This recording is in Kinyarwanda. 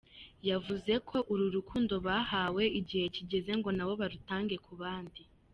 Yavuze ko urukundo bahawe, igihe kigeze ngo nabo barutange ku bandi.